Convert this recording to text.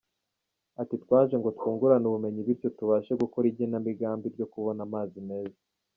Ati “Twaje ngo twungurane ubumenyi bityo tubashe gukora igenamigambi ryo kubona amazi meza.